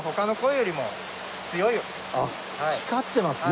光ってますね。